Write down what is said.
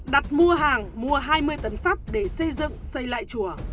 đặt mua hàng mua hai mươi tấn sắt để xây dựng xây lại chùa